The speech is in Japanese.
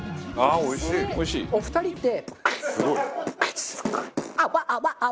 お二人って。